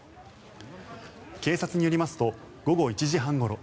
警察によりますと午後１時半ごろ